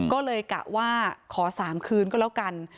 ก็เลยกะว่าขอ๓คืนก็แล้วกัน